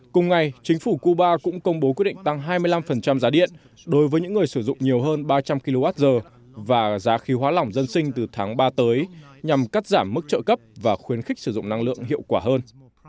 cùng ngày chính phủ cuba cũng công bố quyết định tăng hai mươi năm giá điện đối với những người sử dụng nhiều hơn ba trăm linh kwh và giá khí hóa lỏng dân sinh từ tháng ba tới nhằm cắt giảm mức trợ cấp và khuyến khích sử dụng năng lượng hiệu quả hơn